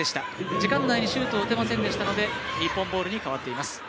時間内にシュートを打てませんでしたので日本ボールに変わっています。